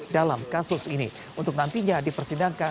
dalam kasus ini untuk nantinya dipersidangkan